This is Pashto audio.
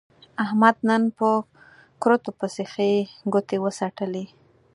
احمد نن په کورتو پسې ښې ګوتې و څټلې.